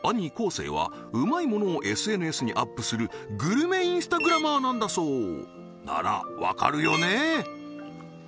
生はうまいものをＳＮＳにアップするグルメインスタグラマーなんだそうならわかるよね？